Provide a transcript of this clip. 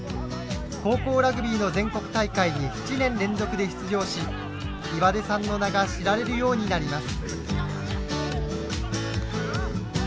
高校ラグビーの全国大会に７年連続で出場し岩出さんの名が知られるようになります。